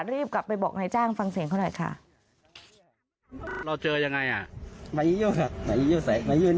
รีบกลับไปบอกนายจ้างฟังเสียงเขาหน่อยค่ะ